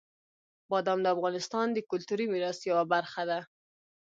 بادام د افغانستان د کلتوري میراث یوه برخه ده.